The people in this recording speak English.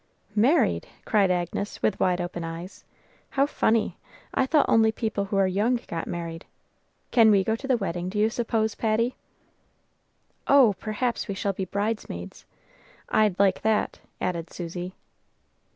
"Married!" cried Agnes, with wide open eyes. "How funny! I thought only people who are young got married. Can we go to the wedding, do you suppose, Patty?" "Oh, perhaps we shall be bridesmaids! I'd like that," added Susy.